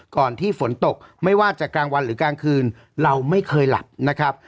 ก่อนที่ฝนตกไม่ว่าจะกลางวันหรือกลางคืนเราไม่เคยหลับนะครับ